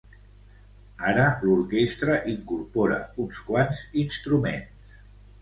Ara l'orquestra incorpora uns quants instruments.